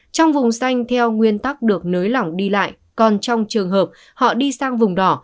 trong vùng xanh theo nguyên tắc được nới lỏng đi lại còn trong trường hợp họ đi sang vùng đỏ